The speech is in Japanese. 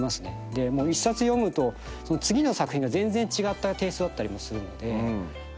で１冊読むと次の作品が全然違ったテイストだったりもするので。